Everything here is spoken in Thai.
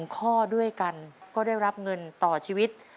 ๑ข้อด้วยกันก็ได้รับเงินต่อชีวิต